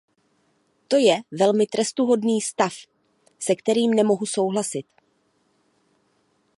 To je velmi trestuhodný stav, se kterým nemohu souhlasit.